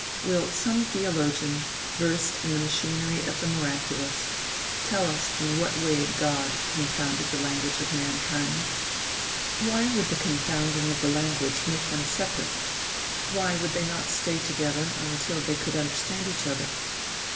Will some theologian, versed in the machinery of the miraculous, tell us in what way God confounded the language of mankind? Why would the confounding of the language make them separate? Why would they not stay together until they could understand each other?